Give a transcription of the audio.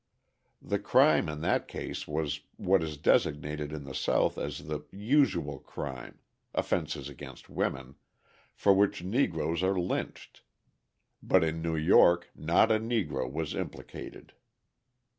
The crime in that case was what is designated in the South as the "usual crime" (offences against women) for which Negroes are lynched. But in New York not a Negro was implicated.